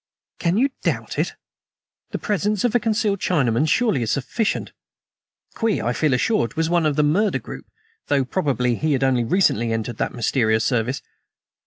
"Can you doubt it? The presence of a concealed Chinaman surely is sufficient. Kwee, I feel assured, was one of the murder group, though probably he had only recently entered that mysterious service.